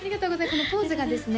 このポーズがですね